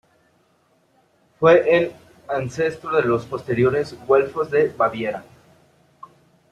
Fue el ancestro de los posteriores Güelfos de Baviera.